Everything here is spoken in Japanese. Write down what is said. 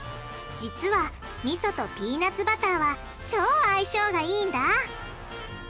じつはみそとピーナツバターは超相性がいいんだ！